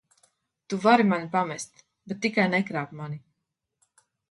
Tu vari mani pamest, bet tikai nekrāp mani!